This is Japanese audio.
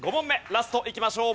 ラストいきましょう。